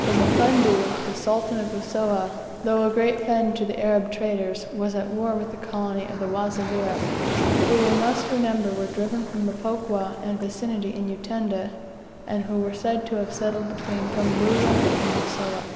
For Mapunda, the Sultan of Usowa, though a great friend to Arab traders, was at war with the colony of the Wazavira, who we must remember were driven from Mpokwa and vicinity in Utanda, and who were said to have settled between Pumburu and Usowa.